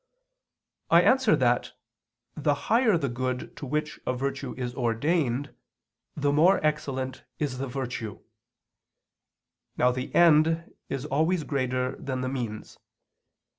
I answer that, The higher the good to which a virtue is ordained, the more excellent is the virtue. Now the end is always greater than the means.